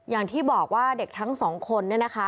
อย่างที่บอกว่าเด็กทั้งสองคน